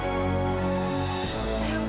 nggak repotin eang aja kamu